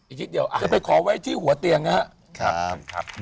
อีกนิดเดียวอาจจะไปขอไว้ที่หัวเตียงนะครับ